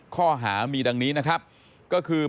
ข้อหามีดังนี้นะครับก็คือ